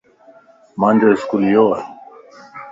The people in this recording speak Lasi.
مانجو اسڪول يو ا